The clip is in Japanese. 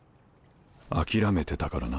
諦めてたからな。